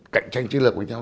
cạnh tranh chiến lược với nhau